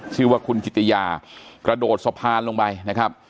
ชื่อว่าคุณกิติยากระโดดสะพานลงไปนะครับ